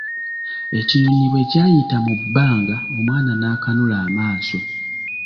Ekinyonyi bwe kyayita mu bbanga, omwana n'akanula amaaso.